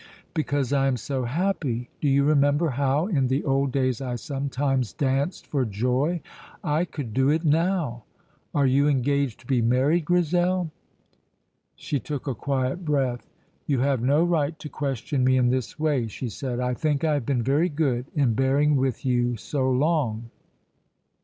"Because I am so happy. Do you remember how, in the old days, I sometimes danced for joy? I could do it now." "Are you engaged to be married, Grizel?" She took a quiet breath. "You have no right to question me in this way," she said. "I think I have been very good in bearing with you so long."